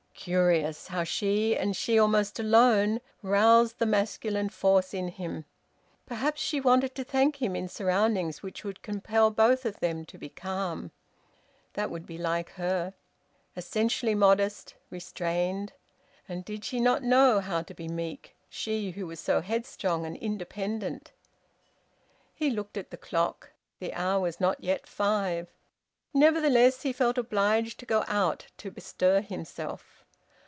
(Curious, how she, and she almost alone, roused the masculine force in him!) Perhaps she wanted to thank him in surroundings which would compel both of them to be calm. That would be like her! Essentially modest, restrained! And did she not know how to be meek, she who was so headstrong and independent! He looked at the clock. The hour was not yet five. Nevertheless he felt obliged to go out, to bestir himself.